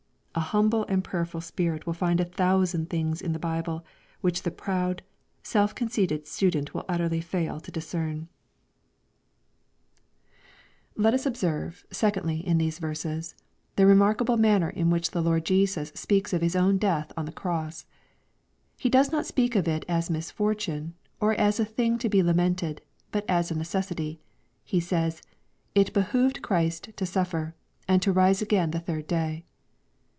A humble and prayerful spirit will find a thousand things in the Bible, which the proud, self conceited student will utterly fail to discern. LUKE^ CHAP. XXIV. 617 Let us observe secondly in these verses, the remark able manner in which the Lord Jesus speaks of His own death on the cross. He does not speak of it as a misfortune, or as a thing to be lainented, but as a necessity. Hesays^'It behoved Christ to suffer, and to rise again the third day."